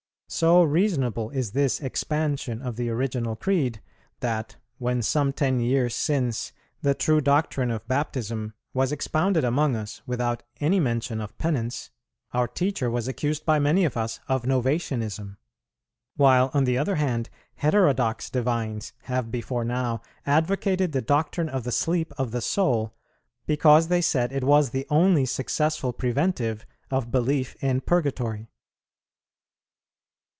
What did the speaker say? So reasonable is this expansion of the original creed, that, when some ten years since the true doctrine of Baptism was expounded among us without any mention of Penance, our teacher was accused by many of us of Novatianism; while, on the other hand, heterodox divines have before now advocated the doctrine of the sleep of the soul because they said it was the only successful preventive of belief in Purgatory.